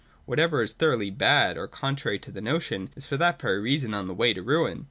What ever is thoroughly bad or contrary to the notion, is for that very reason on the way to ruin.